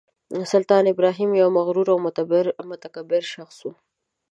سلطان ابراهیم یو مغرور او متکبر شخص و.